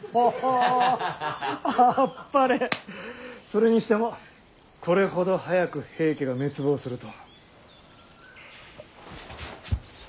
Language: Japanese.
それにしてもこれほど早く平家が滅亡するとは。